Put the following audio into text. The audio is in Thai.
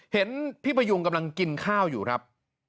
เห็นพี่พยุงกำลังกินข้าวอยู่ครับ